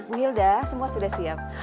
bu hilda semua sudah siap